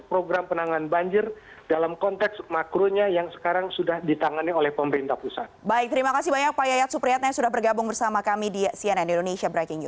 program penanganan banjir dalam konteks makronya yang sekarang sudah ditangani oleh pemerintah pusat